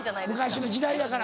昔の時代だから。